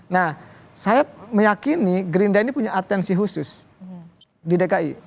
nah saya meyakini gerindra ini punya atensi khusus di dki